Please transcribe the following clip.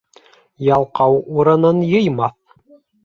Ялҡау урынын йыймаҫ.